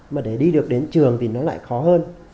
mà để đi được đến trường thì nó lại khó hơn